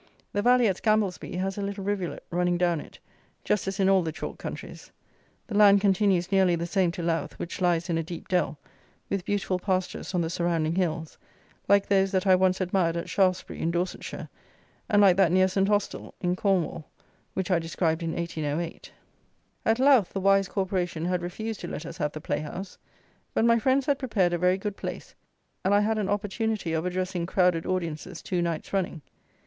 The valley at Scamblesby has a little rivulet running down it, just as in all the chalk countries. The land continues nearly the same to Louth, which lies in a deep dell, with beautiful pastures on the surrounding hills, like those that I once admired at Shaftesbury, in Dorsetshire, and like that near St. Austle, in Cornwall, which I described in 1808. At Louth the wise corporation had refused to let us have the playhouse; but my friends had prepared a very good place; and I had an opportunity of addressing crowded audiences two nights running.